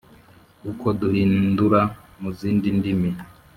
Uko duhindura mu zindi ndimi